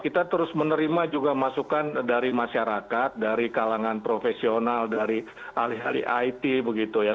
kita terus menerima juga masukan dari masyarakat dari kalangan profesional dari ahli ahli it begitu ya